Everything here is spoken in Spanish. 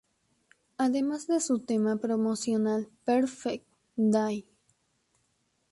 Además de su tema promocional ""Perfect Day"".